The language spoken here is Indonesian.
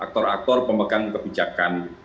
aktor aktor pemegang kebijakan